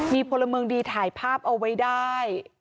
มีพลเมืองดีถ่ายภาพเอาไว้ได้